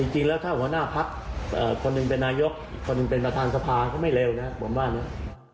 จริงแล้วถ้าหัวหน้าพักคนหนึ่งเป็นนายกคนหนึ่งเป็นประธานสภาก็ไม่เร็วนะผมว่านะ